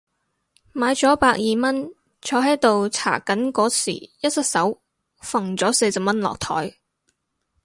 買咗百二蚊，坐喺度搽緊嗰時一失手揈咗四十蚊落枱